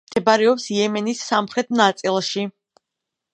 მდებარეობს იემენის სამხრეთ ნაწილში.